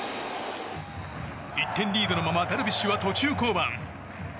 １点リードのままダルビッシュは途中降板。